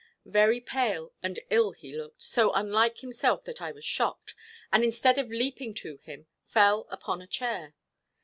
Very pale and ill he looked, so unlike himself that I was shocked, and instead of leaping to him, fell upon a chair.